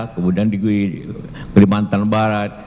kemudian di kalimantan barat